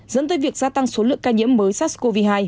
dẫn tới việc gia tăng số lượng ca nhiễm mới sars cov hai